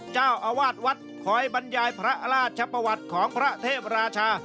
เจ้าอาวาสวัดคอยบรรยายพระราชประวัติของพระเทพราชา